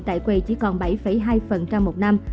tại quầy chỉ còn bảy hai một năm